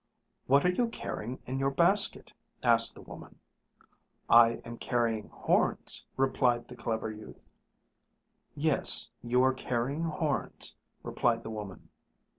"What are you carrying in your basket?" asked the woman. "I am carrying horns," replied the clever youth. "Yes, you are carrying horns," replied the woman.